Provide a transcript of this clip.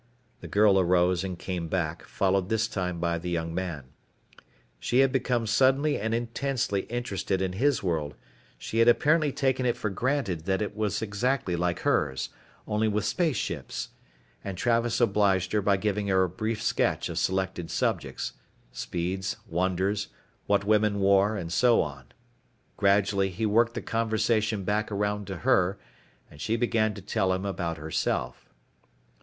The girl arose and came back, followed this time by the young man. She had become suddenly and intensely interested in his world she had apparently taken it for granted that it was exactly like hers, only with space ships and Travis obliged her by giving a brief sketch of selected subjects: speeds, wonders, what women wore, and so on. Gradually he worked the conversation back around to her, and she began to tell him about herself.